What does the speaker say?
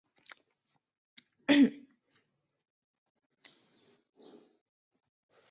中华桫椤为桫椤科桫椤属下的一个种。